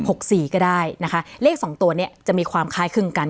ก็ได้นะคะเลขสองตัวเนี้ยจะมีความคล้ายครึ่งกัน